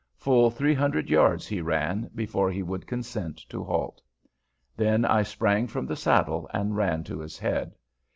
Full three hundred yards he ran before he would consent to halt. Then I sprang from the saddle and ran to his head.